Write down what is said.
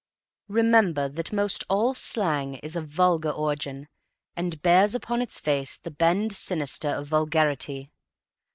Remember that most all slang is of vulgar origin and bears upon its face the bend sinister of vulgarity.